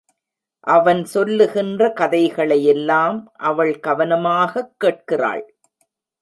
அவன் சொல்லுகின்ற கதைகளையல்லாம் அவள் கவனமாகக் கேட்கிறாள்.